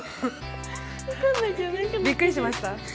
びっくりしました？